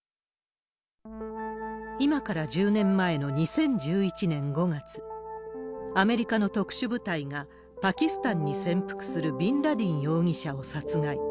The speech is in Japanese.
今から１０年前の２０１１年５月、アメリカの特殊部隊が、パキスタンに潜伏するビンラディン容疑者を殺害。